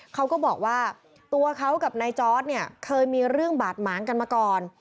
เขาก็บอกว่าตัวเขากับนายจอร์ดเนี่ยเคยมีเรื่องบาดหมางกันมาก่อน